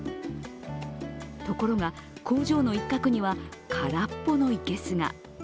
ところが工場の一角には空っぽのいけすが。